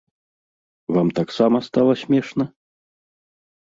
Вам таксама стала смешна?